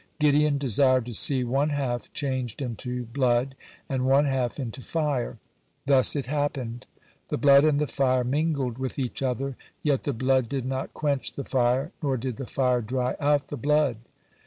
Gideon desired to see one half changed into blood, and one half into fire. Thus it happened. The blood and the fire mingled with each other, yet the blood did not quench the fire, nor did the fire dry out the blood.